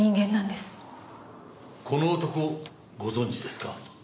この男ご存じですか？